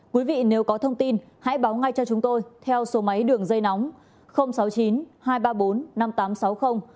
quý vị nếu có thông tin hãy báo ngay cho chúng tôi theo số máy đường dây nóng